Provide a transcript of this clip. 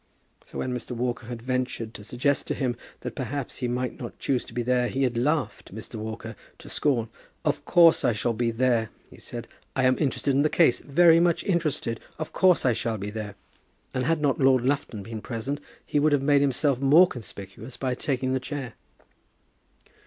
So when Mr. Walker had ventured to suggest to him that, perhaps, he might not choose to be there, he had laughed Mr. Walker to scorn. "Of course I shall be there," he said. "I am interested in the case, very much interested. Of course I shall be there." And had not Lord Lufton been present he would have made himself more conspicuous by taking the chair.